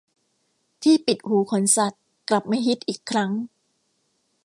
ที่ปิดหูขนสัตว์กลับมาฮิตอีกครั้ง